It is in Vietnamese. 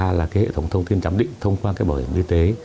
đối với các hệ thống thông tin chấm định thông qua bảo hiểm y tế